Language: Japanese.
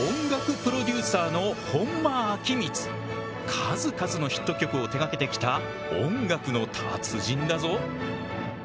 数々のヒット曲を手がけてきた音楽の達人だぞ。